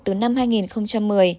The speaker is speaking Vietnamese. từ năm hai nghìn một mươi